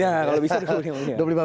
ya kalau bisa dua puluh lima miliar